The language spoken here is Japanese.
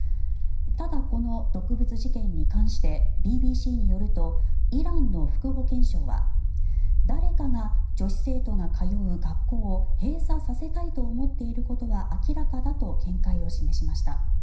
ただ、この毒物事件に関してＢＢＣによるとイランの副保健相は誰かが女子生徒が通う学校を閉鎖させたいと思っていることは明らかだと見解を示しました。